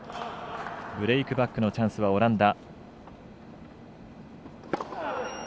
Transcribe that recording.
ブレークバックのチャンスはオランダ。